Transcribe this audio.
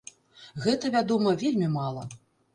Гэта, вядома, вельмі мала.